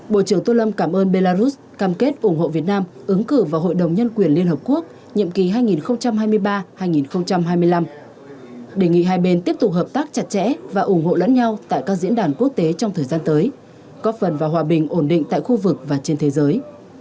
bộ trưởng tô lâm cảm ơn belarus cam kết ủng hộ việt nam ứng cử vào hội đồng nhân quyền liên hợp quốc nhiệm kỳ hai nghìn hai mươi ba hai nghìn hai mươi năm đề nghị hai bên tiếp tục hợp tác chặt chẽ và ủng hộ lẫn nhau tại các diễn đàn quốc tế trong thời gian tới góp phần vào hòa bình ổn định tại khu vực và trên thế giới